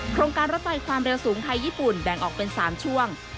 โครงการรถไฟความเร็วสูงไทยญี่ปุ่นแบ่งออกเป็น๓ช่วง